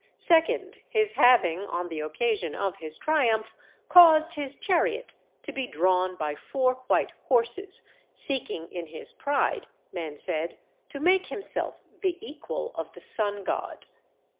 Second, his having, on the occasion of his triumph, caused his chariot to be drawn by four white horses, seeking in his pride, men said, to make himself the equal of the sun god.